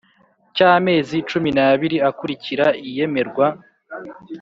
Cy amezi cumi n abiri akurikira iyemerwa